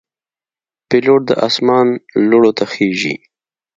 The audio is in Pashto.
پیلوټ د آسمان لوړو ته خېژي.